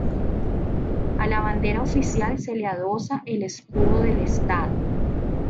A la bandera oficial se le adosa el escudo del Estado.